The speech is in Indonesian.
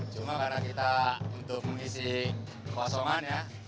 cuma karena kita untuk mengisi kosongan ya